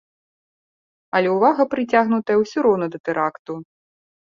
Але ўвага прыцягнутая ўсё роўна да тэракту.